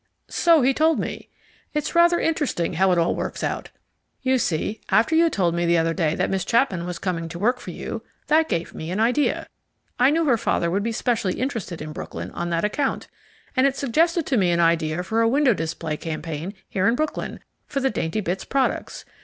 "So he told me. It's rather interesting how it all works out. You see, after you told me the other day that Miss Chapman was coming to work for you, that gave me an idea. I knew her father would be specially interested in Brooklyn, on that account, and it suggested to me an idea for a window display campaign here in Brooklyn for the Daintybits Products.